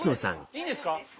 いいんですか？